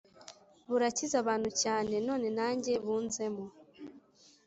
Burakiza abantu cyane none nanjye bunzemo